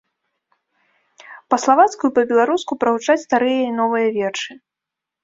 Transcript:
Па-славацку і па-беларуску прагучаць старыя і новыя вершы.